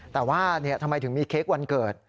แต่ว่าทำไมถึงมีเค้กวันเกิด